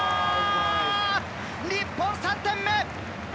日本３点目！